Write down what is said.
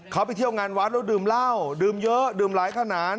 เขาไปเที่ยวงานวัดแล้วดื่มเหล้าดื่มเยอะดื่มหลายขนาด